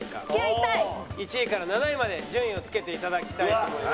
１位から７位まで順位を付けていただきたいと思います。